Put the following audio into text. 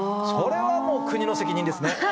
それはもう国の責任ですね。